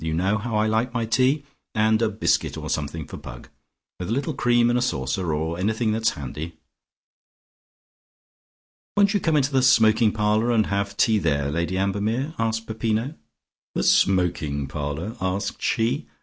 You know how I like my tea. And a biscuit or something for Pug, with a little cream in a saucer or anything that's handy." "Won't you come into the smoking parlour, and have tea there, Lady Ambermere?" asked Peppino. "The smoking parlour?" asked she.